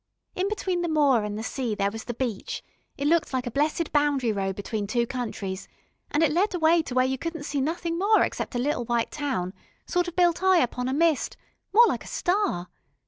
In between the moor an' the sea there was the beach it looked like a blessed boundary road between two countries, an' it led away to where you couldn't see nothing more except a little white town, sort of built 'igh upon a mist, more like a star....